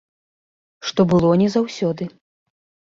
Што было не заўсёды.